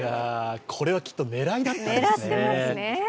これはきっと狙いだったんですね。